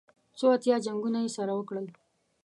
څو اتیا جنګونه یې سره وکړل.